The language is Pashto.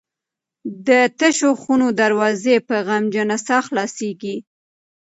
د تشو خونو دروازې په غمجنه ساه خلاصیږي.